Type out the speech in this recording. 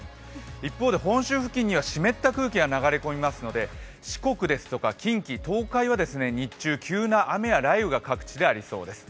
一方で本州付近には湿った空気が流れ込みますので四国ですとか近畿・東海は日中、急な雨や雷雨が各地でありそうです。